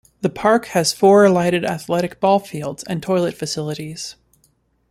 The park has four lighted athletic ball fields and toilet facilities.